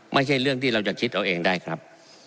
ไม่ใช่เรื่องที่เราจะคิดเอาเองได้ครับ